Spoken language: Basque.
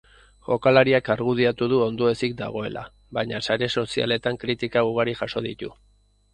Jokalariak argudiatu du ondoezik dagoela, baina sare sozialetan kritika ugari jaso ditu.